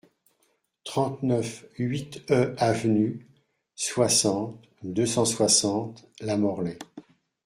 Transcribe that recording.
trente-neuf huit e Avenue, soixante, deux cent soixante, Lamorlaye